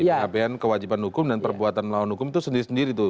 pengabaian kewajiban hukum dan perbuatan melawan hukum itu sendiri sendiri tuh